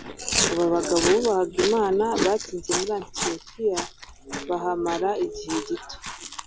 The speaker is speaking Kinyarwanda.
Aba bagabo bubahaga Imana batinze muri Antiyokiya bahamara igihe gito.